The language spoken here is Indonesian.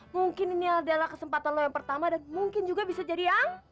mungkin ini adalah kesempatan lo yang pertama dan mungkin juga bisa jadi ya